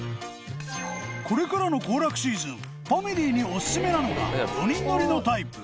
これからの行楽シーズンファミリーにオススメなのが４人乗りのタイプ